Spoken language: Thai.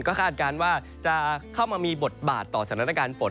ก็คาดการณ์ว่าจะเข้ามามีบทบาทต่อสถานการณ์ฝน